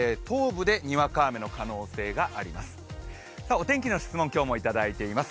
お天気の質問、今日もいただいています。